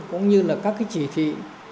cũng như là các chỉ thị